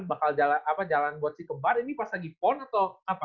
bakal jalan buat si kembar ini pas lagi pon atau apa